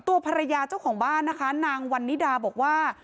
ตัวภรรยาเจ้าของบ้านนะคะนางวันนิดาบอกว่า